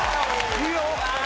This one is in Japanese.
いいよ！